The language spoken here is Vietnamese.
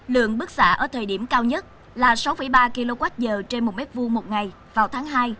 lượng bức xạ ở thời điểm cao nhất là sáu ba kwh trên một m hai một ngày vào tháng hai